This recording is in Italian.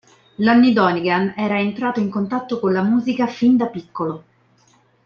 Lonnie Donegan era entrato in contatto con la musica fin da piccolo.